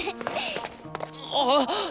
あっ！